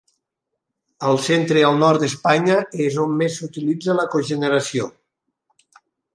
Al centre i al nord d'Espanya és on més s'utilitza la cogeneració.